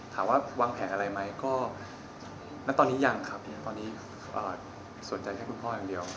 ถามว่าวางแผนอะไรไหมก็ณตอนนี้ยังครับเพียงตอนนี้สนใจแค่คุณพ่ออย่างเดียว